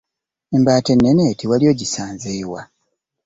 Embaata ennene eti wali ogisanze wa?